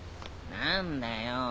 何だよ？